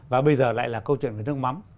và bây giờ lại là câu chuyện về nước mắm